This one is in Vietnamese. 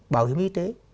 bảo hiểm y tế